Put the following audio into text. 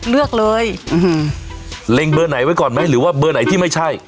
เลือกเลยเล็งเบอร์ไหนไว้ก่อนไหมหรือว่าเบอร์ไหนที่ไม่ใช่